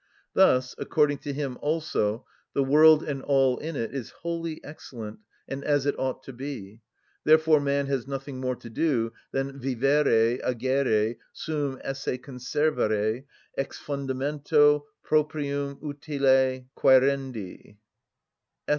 Thus, according to him also, the world and all in it is wholly excellent and as it ought to be: therefore man has nothing more to do than vivere, agere, suum Esse conservare ex fundamento proprium utile quærendi (_Eth.